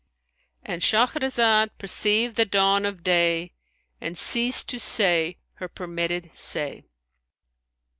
'" And Shahrazad perceived the dawn of day and ceased to say her permitted say.